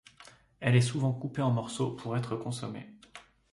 Elle est souvent coupée en morceaux pour être consommée.